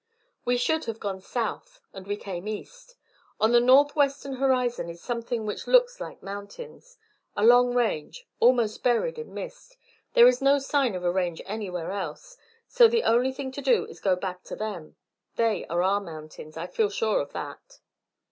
"We should have gone south and we came east. On the northwestern horizon is something which looks like mountains a long range almost buried in mist. There is no sign of a range anywhere else; so the only thing to do is to go back to them; they are our mountains; I feel sure of that."